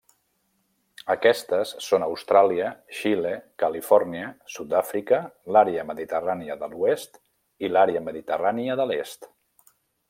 Aquestes són Austràlia, Xile, Califòrnia, Sud-àfrica, l'àrea mediterrània de l'oest i l'àrea mediterrània de l'est.